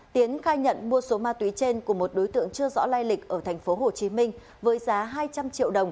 tiến khai nhận mua số ma túy trên của một đối tượng chưa rõ lai lịch ở tp hcm với giá hai trăm linh triệu đồng